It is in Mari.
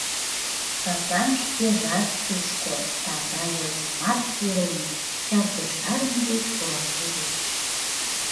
Садлан шкежат тушко таза йолжымат кӱрлмӧ-чарпештарыме деч пураш лӱдеш.